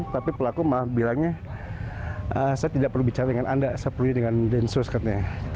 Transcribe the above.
tapi pelaku malah bilangnya saya tidak perlu bicara dengan anda saya perlunya dengan densus katanya